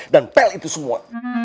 dan pel itu semua